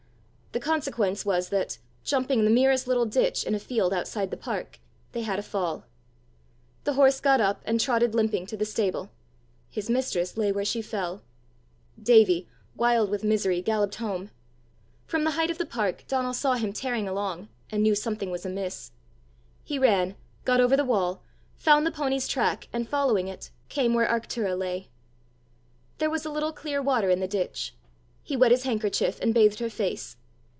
The consequence was that, jumping the merest little ditch in a field outside the park, they had a fall. The horse got up and trotted limping to the stable; his mistress lay where she fell. Davie, wild with misery, galloped home. From the height of the park Donal saw him tearing along, and knew something was amiss. He ran, got over the wall, found the pony's track, and following it, came where Arctura lay. There was a little clear water in the ditch: he wet his handkerchief, and bathed her face.